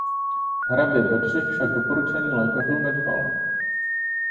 Hrabě Bedřich však doporučení lékařů nedbal.